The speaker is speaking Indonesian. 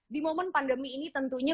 di momen pandemi ini tentunya